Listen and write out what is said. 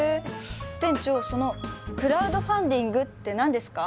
店長そのクラウドファンディングって何ですか？